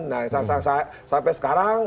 nah sampai sekarang